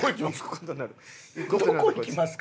どこ行きますか？